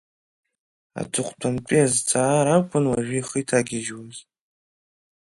Аҵыхәтәантәи азҵаара акәын уажәы ихы иҭагьежьуаз.